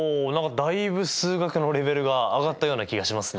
だいぶ数学のレベルがあがったような気がしますね。